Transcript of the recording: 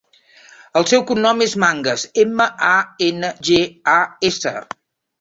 El seu cognom és Mangas: ema, a, ena, ge, a, essa.